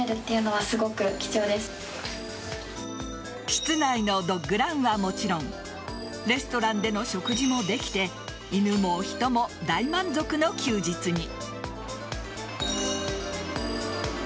室内のドッグランはもちろんレストランでの食事もできて犬も人も大満足の休日に。